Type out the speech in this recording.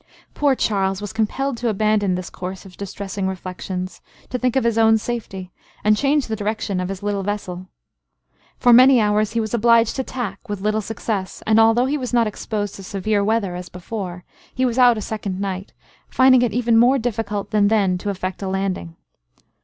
Poor Charles was compelled to abandon this course of distressing reflections, to think of his own safety, and change the direction of his little vessel. For many hours he was obliged to tack, with little success; and although he was not exposed to severe weather as before, he was out a second night, finding it even more difficult than then to affect a landing.